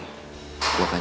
saya gak bersalah pak